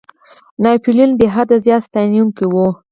ناپولیون بېحده زیات ستایونکی وو.